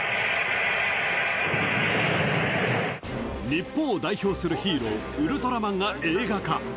日本を代表するヒーロー、ウルトラマンが映画化。